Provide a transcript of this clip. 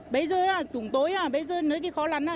bây giờ là chúng tôi bây giờ nói cái khó lắm là